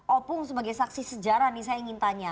opung sebagai saksi sejarah nih saya ingin tanya